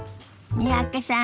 三宅さん